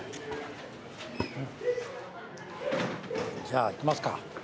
じゃあ行きますか。